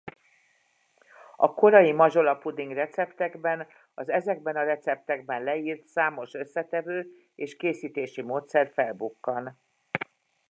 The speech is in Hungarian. A korai mazsolapuding-receptekben az ezekben a receptekben leírt számos összetevő és készítési módszer felbukkan.